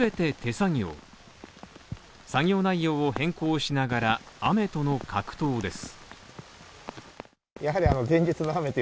作業内容を変更しながら雨との格闘です。